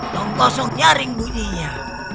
tunggu kau seumur nyaring bunyinya